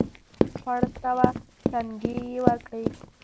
شپاړس سوه ټنګې یې ورکړې.